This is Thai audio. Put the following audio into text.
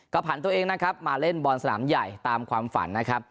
ก็ผ่านตัวเองมาเล่นบอลสนามใหญ่ตามความฝัน